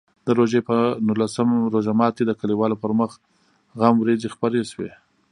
د روژې په نولسم روژه ماتي د کلیوالو پر مخ غم وریځې خپرې شوې.